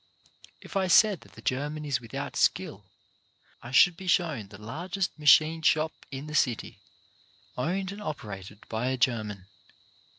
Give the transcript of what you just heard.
If I said that the German is without skill, I should be shown the largest machine shop in the city, owned and operated by a German.